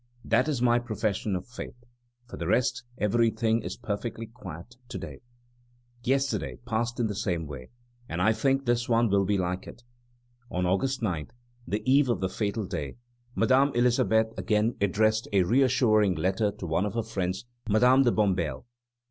That is my profession of faith. For the rest, everything is perfectly quiet to day. Yesterday passed in the same way, and I think this one will be like it." On August 9, the eve of the fatal day, Madame Elisabeth again addressed a reassuring letter to one of her friends, Madame de Bombelles.